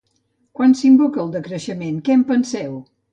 Quan s’invoca el decreixement, què en penseu?